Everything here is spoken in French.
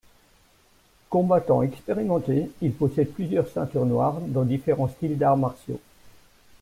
Combattant expérimenté, il possède plusieurs ceintures noires dans différents styles d'arts martiaux.